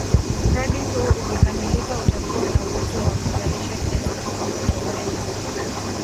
Mradi huu ukikamilika utakuwa na uwezo wa kuzalisha kiasi kikubwa cha umeme